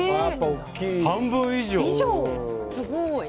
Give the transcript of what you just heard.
半分以上。